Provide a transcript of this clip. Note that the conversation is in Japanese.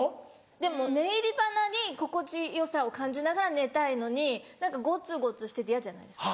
でも寝入りばなに心地よさを感じながら寝たいのに何かごつごつしてて嫌じゃないですか。